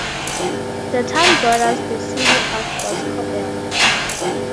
The town borders the city of Boscobel.